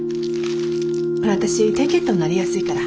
ほら私低血糖になりやすいから。